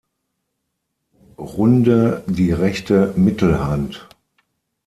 Runde die rechte Mittelhand.